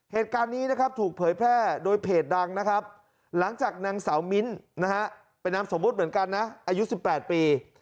เหตุการณ์นี้นะครับถูกเผยแพร่โดยเพจดังนะครับหลังจากนางสาวมิ้นนะฮะเป็นนามสมมุติเหมือนกันนะอายุ๑๘ปี